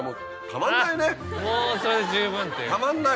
たまんない。